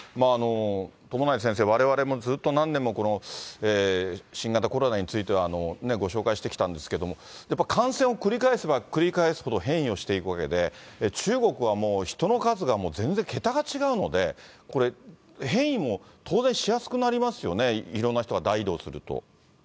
友成先生、われわれも、ずっと何年もこの新型コロナについてはご紹介してきたんですけれども、やっぱ感染を繰り返せば繰り返すほど変異をしていくわけで、中国はもう、人の数が全然桁が違うので、これ、変異も当然しやすくなりますよね、いろんな人が大移動すると。